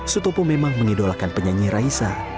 sutopo memang mengidolakan penyanyi raisa